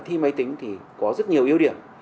thi máy tính thì có rất nhiều ưu điểm